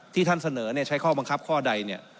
ท่านเสนอใช้ข้อบังคับข้อใด